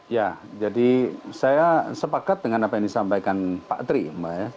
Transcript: ya jadi saya sepakat dengan apa yang disampaikan pak tri mbak ya